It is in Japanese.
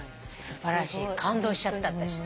素晴らしい感動しちゃった私。